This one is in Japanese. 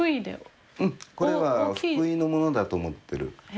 これは福井のものだと思ってる。